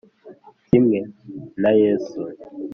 Kimwe na Yesu